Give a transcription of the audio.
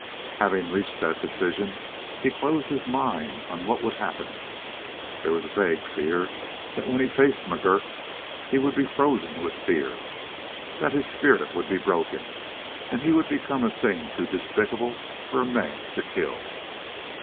Having reached that decision he closed his mind on what would happen. There was a vague fear that when he faced McGurk he would be frozen with fear; that his spirit would be broken and he would become a thing too despicable for a man to kill.